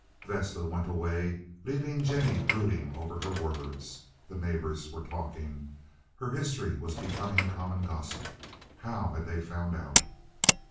Vesta went away leaving Jennie brooding over her words. The neighbors were talking. Her history was becoming common gossip. How had they found out.